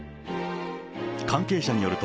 関係者によると、